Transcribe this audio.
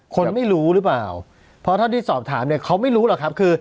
คนไม่รู้หรือเปล่าเพราะเท่าที่สอบถามเนี่ยเขาไม่รู้หรอกครับคือ